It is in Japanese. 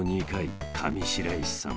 さあ上白石さん